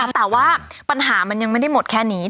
แต่ว่าปัญหามันยังไม่ได้หมดแค่นี้